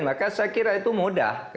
maka saya kira itu mudah